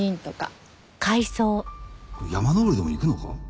これ山登りにでも行くのか？